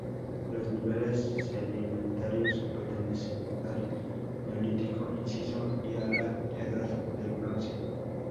Los niveles sedimentarios pertenecen al Neolítico inciso y a la Edad del Bronce.